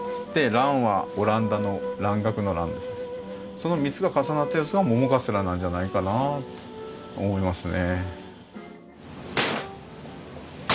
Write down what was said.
その３つが重なったやつが桃カステラなんじゃないかなと思いますね。